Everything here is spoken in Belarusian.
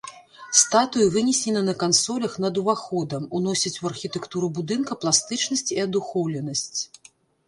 Статуі вынесены на кансолях над уваходам, уносяць у архітэктуру будынка пластычнасць і адухоўленасць.